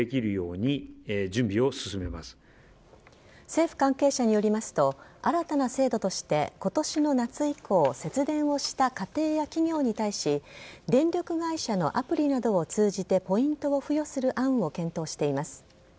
政府関係者によりますと新たな制度として今年の夏以降節電をした家庭や企業に対し電力会社のアプリなどを通じてポイントを付与する案を検討しています。